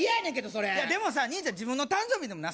それでもさ兄ちゃん自分の誕生日でもな